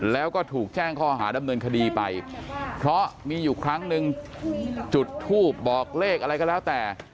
แล้วก็ถูกแจ้งข้อหาดำเนินคดีไปเพราะมีอยู่ครั้งนึงจุดทูบบอกเลขอะไรก็แล้วแต่